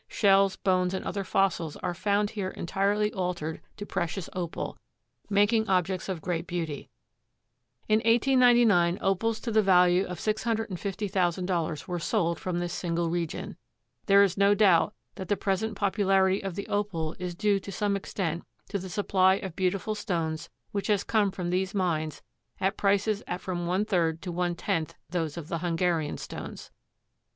Shells, bones and other fossils are found here entirely altered to precious Opal, making objects of great beauty. In 1899 Opals to the value of $650,000 were sold from this single region. There is no doubt that the present popularity of the Opal is due to some extent to the supply of beautiful stones which has come from these mines at prices at from one third to one tenth those of the Hungarian stones.